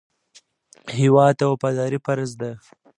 هېواد ته وفاداري فرض ده